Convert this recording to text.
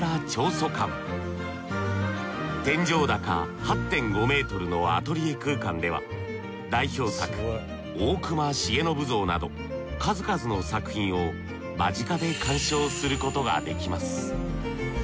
天井高８．５ｍのアトリエ空間では代表作『大隈重信像』など数々の作品を間近で鑑賞することができます。